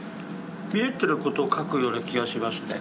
見えてることを描くような気がしますね。